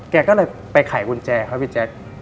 แกก็เลยไปไขกุญแจครับพี่แจ๊ค